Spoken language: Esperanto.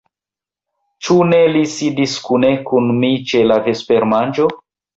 Ĉu ne li sidis kune kun mi ĉe la vespermanĝo?